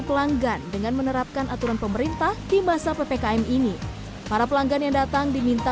pelanggan dengan menerapkan aturan pemerintah di masa ppkm ini para pelanggan yang datang diminta